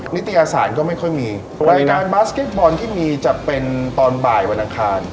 นิตยสารก็ไม่ค่อยมีรายการบาสเก็ตบอลที่มีจะเป็นตอนบ่ายวันอังคาร